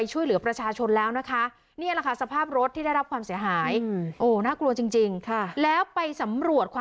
มีประชาชนในพื้นที่เขาถ่ายคลิปเอาไว้ได้ค่ะ